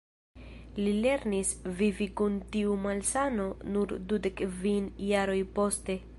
Li lernis vivi kun tiu malsano nur dudek kvin jaroj poste.